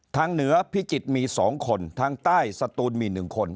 เหนือพิจิตรมี๒คนทางใต้สตูนมี๑คน